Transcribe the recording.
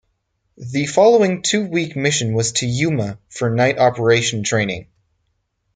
The following two-week mission was to Yuma for night operation training.